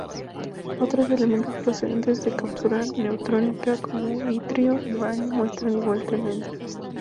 Otros elementos procedentes de captura neutrónica como itrio y bario muestran igual tendencia.